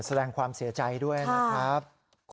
แสดงความเสียใจด้วยนะครับ